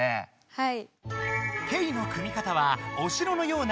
はい。